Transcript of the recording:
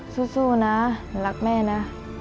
สู้นะรักแม่นะ